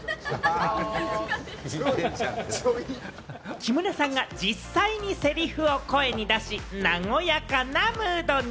木村さんが実際にセリフを声に出し、和やかなムードに。